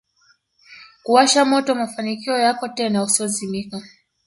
kuwasha moto wa mafanikio yako tena usiozimika